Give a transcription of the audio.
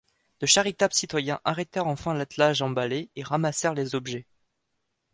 De charitables citoyens arrêtèrent enfin l’attelage emballé et ramassèrent les objets.